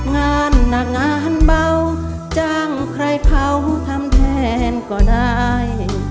งานหนักงานเบาจ้างใครเผาทำแทนก็ได้